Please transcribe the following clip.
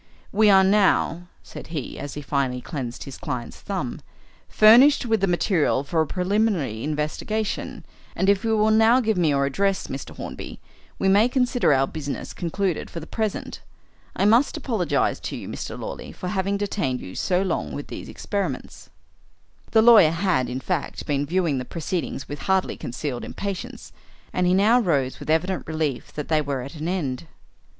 "We are now," said he, as he finally cleansed his client's thumb, "furnished with the material for a preliminary investigation, and if you will now give me your address, Mr. Hornby, we may consider our business concluded for the present. I must apologise to you, Mr. Lawley, for having detained you so long with these experiments." The lawyer had, in fact, been viewing the proceedings with hardly concealed impatience, and he now rose with evident relief that they were at an end.